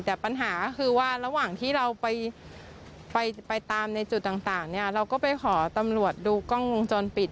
แต่ปัญหาก็คือว่าระหว่างที่เราไปตามในจุดต่างเนี่ยเราก็ไปขอตำรวจดูกล้องวงจรปิด